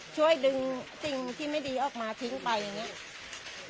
ช่วยดึงสิ่งที่ไม่ดีออกมาทิ้งไปอย่างนี้